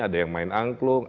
ada yang main angklung